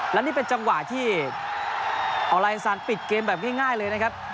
และนี่เป็นจังหวะที่ออไลซานปิดเกมแบบง่ายเลยนะครับ